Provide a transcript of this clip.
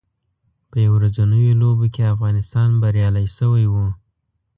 په یو ورځنیو لوبو کې افغانستان بریالی شوی و